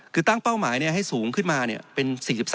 คือตั้งเป้าหมายให้สูงขึ้นมาเป็น๔๓